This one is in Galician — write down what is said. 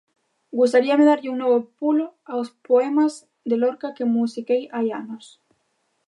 Gustaríame darlle un novo pulo aos poemas de Lorca que musiquei hai anos.